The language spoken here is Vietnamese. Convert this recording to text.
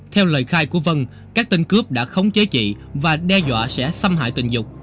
theo lời khai của vân các tên cướp đã khống chế chị và đe dọa sẽ xâm hại tình dục